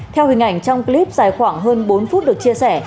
theo hình ảnh trong clip dài khoảng hơn bốn phút được chia sẻ